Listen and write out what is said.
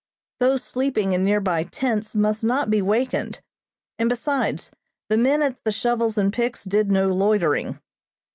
Those sleeping in nearby tents must not be wakened, and besides the men at the shovels and picks did no loitering.